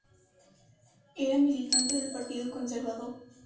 Era militante del Partido Conservador.